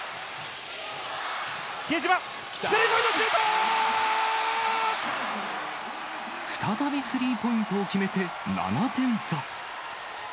比江島、スリーポイントシュ再びスリーポイントを決めて、７点差。